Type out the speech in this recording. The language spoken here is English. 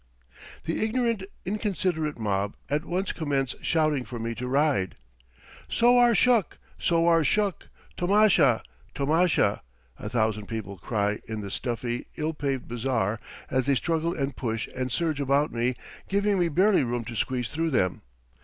The ignorant, inconsiderate mob at once commence shouting for me to ride. "Sowar shuk; sowar shuk! tomasha; tomasha!" a thousand people cry in the stuffy, ill paved bazaar as they struggle and push and surge about me, giving me barely room to squeeze through them.